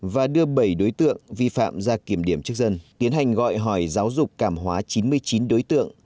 và đưa bảy đối tượng vi phạm ra kiểm điểm trước dân tiến hành gọi hỏi giáo dục cảm hóa chín mươi chín đối tượng